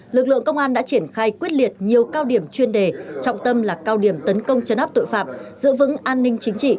lực lượng công an đã triển khai quyết liệt nhiều cao điểm chuyên đề trọng tâm là cao điểm tấn công chấn áp tội phạm giữ vững an ninh chính trị